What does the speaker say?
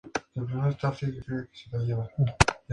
George Martin toca el solo de armonio de la canción.